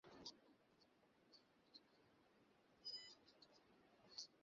কিন্তু কার ওপর সে পরীক্ষা চালানো যায়?